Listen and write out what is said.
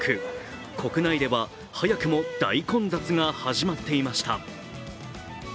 国内では早くも大混雑が始まっていました。